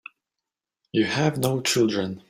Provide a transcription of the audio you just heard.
You have no children.